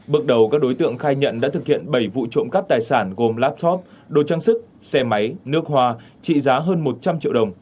bước đầu các đối tượng khai nhận đã thực hiện bảy vụ trộm cắp tài sản gồm laptop đồ trang sức xe máy nước hoa trị giá hơn một trăm linh triệu đồng